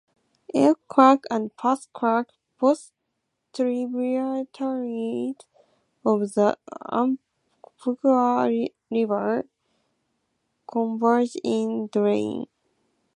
Elk Creek and Pass Creek, both tributaries of the Umpqua River, converge in Drain.